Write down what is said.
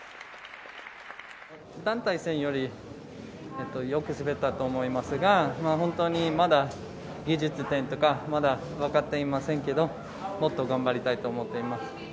団体戦よりよく滑ったと思いますが本当にまだ、技術点とか分かっていませんがもっと頑張りたいと思っています。